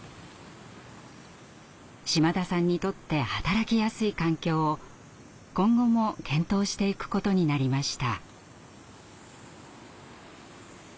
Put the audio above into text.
島田さんにとって働きやすい環境を今後も検討していくことになりました。